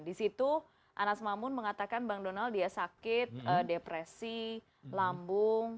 di situ anas mamun mengatakan bang donald dia sakit depresi lambung